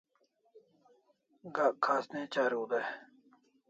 Gak khas ne chariu day